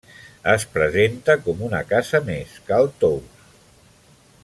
Es presenta com una casa més, Cal Tous.